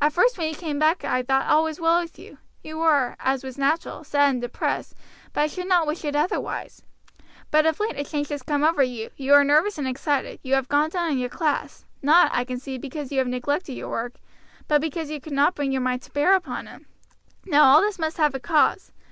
At first when you came back I thought all was well with you; you were, as was natural, sad and depressed, but I should not wish it otherwise. But of late a change has come ever you; you are nervous and excited; you have gone down in your class, not, I can see, because you have neglected your work, but because you cannot bring your mind to bear upon it. Now all this must have a cause.